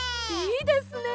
いいですね。